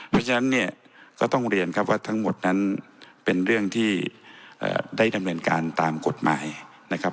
เพราะฉะนั้นเนี่ยก็ต้องเรียนครับว่าทั้งหมดนั้นเป็นเรื่องที่ได้ดำเนินการตามกฎหมายนะครับ